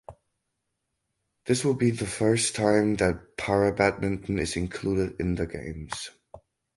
This will be the first time that para badminton is included in the Games.